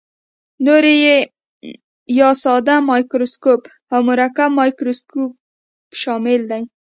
نوري یا ساده مایکروسکوپ او مرکب مایکروسکوپ شامل دي.